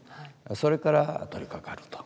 それから取りかかると。